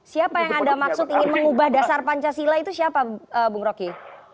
siapa yang anda maksud ingin mengubah dasar pancasila itu siapa bung rocky